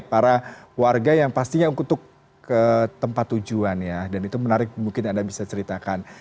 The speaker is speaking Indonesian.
para warga yang pastinya untuk ke tempat tujuan ya dan itu menarik mungkin anda bisa ceritakan